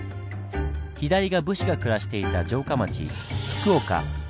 左が武士が暮らしていた城下町福岡。